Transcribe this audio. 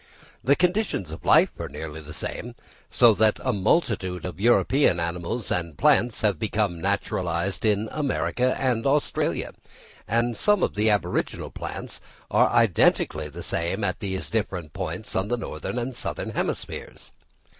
The conditions of life are nearly the same, so that a multitude of European animals and plants have become naturalised in America and Australia; and some of the aboriginal plants are identically the same at these distant points of the northern and southern hemispheres?